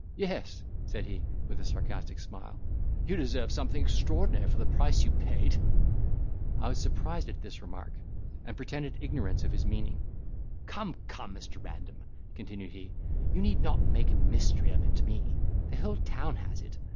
"Yes," said he, with a sarcastic smile, "you deserve something extraordinary for the price you paid." I was surprised at this remark, and pretended ignorance of his meaning. "Come, come, Mr. Random," continued he, "you need not make a mystery of it to me; the whole town has it.